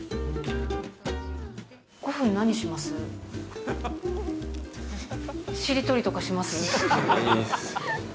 ５分、何します？